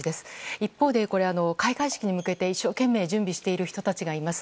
一方で、開会式に向けて一生懸命準備している人たちがいます。